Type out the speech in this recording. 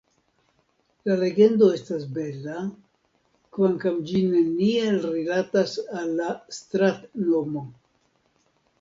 La legendo estas bela, kvankam ĝi neniel rilatas al la strat-nomo.